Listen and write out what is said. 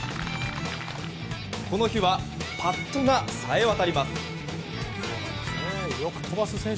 この日はパットがさえ渡ります。